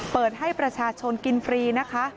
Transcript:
เปิดให้ประชาชนกินฟรีนะคะ